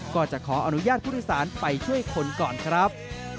ก็จะขออนุญาตพุทธศาลไปช่วยคนก่อนครับ